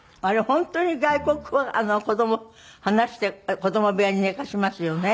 本当に外国は子ども離して子ども部屋に寝かせますよね。